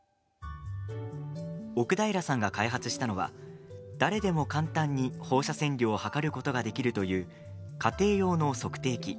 奥平さんが開発したのは誰でも簡単に放射線量を測ることができるという家庭用の測定器。